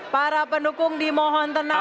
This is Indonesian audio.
para pendukung dimohon tenang